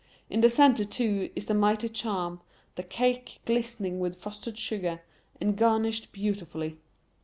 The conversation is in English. In the centre, too, is the mighty charm, the cake, glistening with frosted sugar, and garnished beautifully.